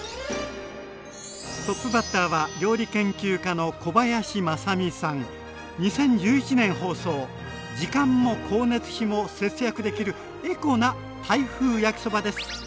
トップバッターは２０１１年放送時間も光熱費も節約できるエコなタイ風焼きそばです。